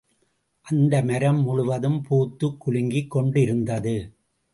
அந்த மரம் முழுவதும் பூத்துக் குலுங்கிக் கொண்டிருந்தது.